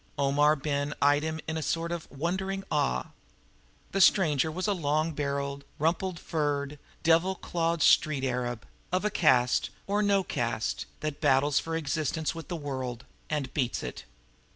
Omar Ben eyed him in a sort of wondering awe. The stranger was a long barreled, rumple furred, devil clawed street arab, of a caste or no caste that battles for existence with the world and beats it.